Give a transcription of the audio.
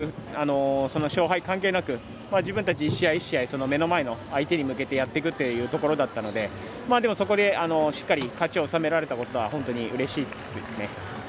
オーストラリアとの勝敗関係なく自分たち１試合１試合ずつ相手に向けてやっていくというところだったのでそこでしっかり勝ちを収められたことは本当にうれしいですね。